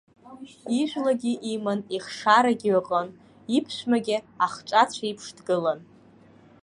Ижәлагьы иман, ихшарагьы ыҟан, иԥшәмагьы ахҿацә еиԥш дгылан.